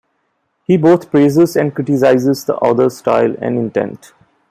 He both praises and criticizes the author's style and intent.